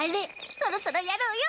そろそろやろうよ！